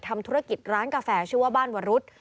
ทำธุรกิจร้านกาแฟชื่อว่าบ้านวรุษ